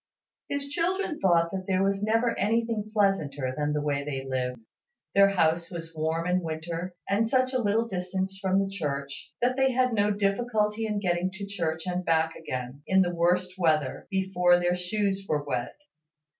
His children thought that there was never anything pleasanter than the way they lived. Their house was warm in winter, and such a little distance from the church, that they had no difficulty in getting to church and back again, in the worst weather, before their shoes were wet.